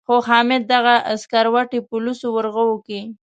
خو حامد دغه سکروټې په لوڅو ورغوو کې.